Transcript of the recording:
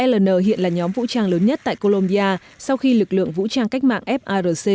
ln hiện là nhóm vũ trang lớn nhất tại colombia sau khi lực lượng vũ trang cách mạng frc